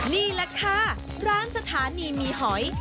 นี่แหละค่ะร้านสถานีมีหอย